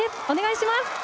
お願いします。